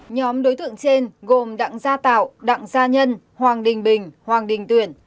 nhóm đối tượng trên gồm đặng gia tạo đặng gia nhân hoàng đình bình hoàng đình tuyển